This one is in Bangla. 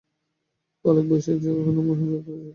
বালক-বয়সে জগমোহনের বিবাহ হইয়াছিল।